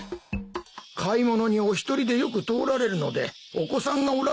買い物にお一人でよく通られるのでお子さんがおられるとは。